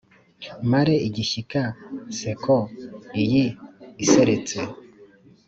mare igishyika nseko iyi iseretse.